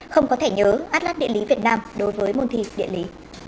không có thể nhớ atlas điện lý việt nam đối với môn thi điện lý